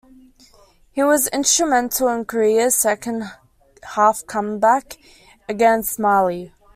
He was instrumental in Korea's second half comeback against Mali.